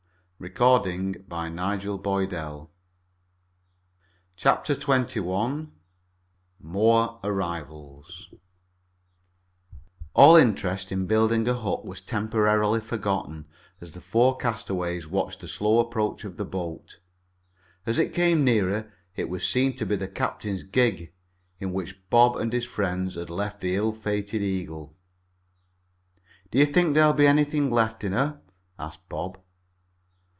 It will drift in presently." CHAPTER XXI MORE ARRIVALS All interest in building a hut was temporarily forgotten as the four castaways watched the slow approach of the boat. As it came nearer it was seen to be the captain's gig, in which Bob and his friends had left the ill fated Eagle. "Do you think there'll be anything left in her?" asked Bob.